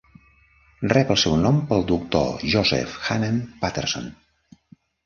Rep el seu nom pel doctor Joseph Hanan Patterson.